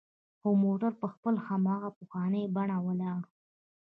خو موټر پر خپل هماغه پخواني بڼه ولاړ و.